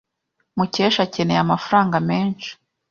Mukesha akeneye amafaranga menshi.